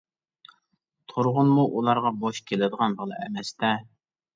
تۇرغۇنمۇ ئۇلارغا بوش كېلىدىغان بالا ئەمەستە.